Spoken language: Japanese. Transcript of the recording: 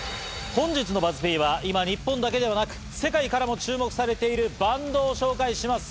本日のＢＵＺＺ−Ｐは今日本だけではなく世界からも注目されているバンドを紹介します。